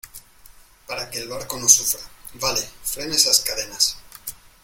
para que el barco no sufra. vale . frena esas cadenas .